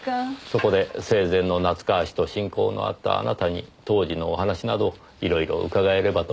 そこで生前の夏河氏と親交のあったあなたに当時のお話など色々伺えればと思いまして。